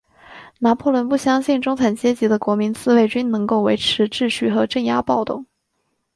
拿破仑不相信中产阶级的国民自卫军能够维持秩序和镇压暴动。